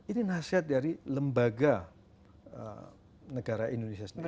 ini nasihat dari lembaga negara indonesia sendiri